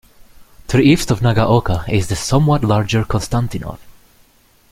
To the east of Nagaoka is the somewhat larger Konstantinov.